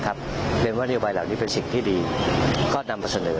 เรียนว่านโยบายเหล่านี้เป็นสิ่งที่ดีก็นำมาเสนอ